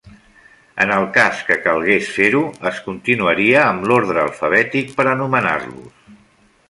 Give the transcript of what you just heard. En el cas que calgués fer-ho, es continuaria amb l'ordre alfabètic per a nomenar-los.